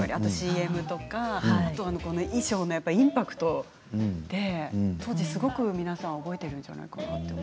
ＣＭとか衣装のインパクト、当時すごく皆さん覚えているんじゃないですか。